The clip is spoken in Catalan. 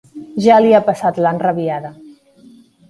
Ja li ha passat l'enrabiada.